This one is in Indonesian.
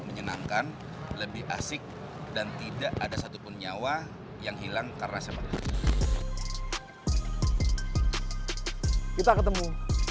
menyenangkan lebih asik dan tidak ada satupun nyawa yang hilang karena sama kita ketemu